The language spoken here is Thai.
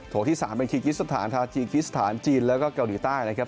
โถที่สามเป็นกิษฐานจีนแล้วก็เกาหลีใต้นะครับ